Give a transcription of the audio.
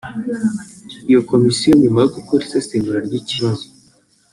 iyi Komisiyo nyuma yo gukora isesengura ry’ikibazo